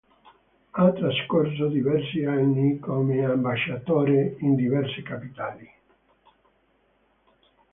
Ha trascorso diversi anni come ambasciatore in diverse capitali.